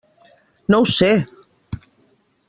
No ho sé!